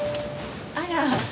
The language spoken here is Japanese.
あら？